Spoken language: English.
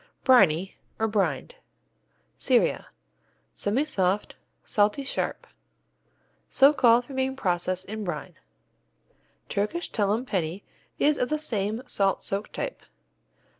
Briney, or Brined Syria Semisoft, salty, sharp. So called from being processed in brine. Turkish Tullum Penney is of the same salt soaked type.